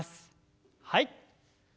はい。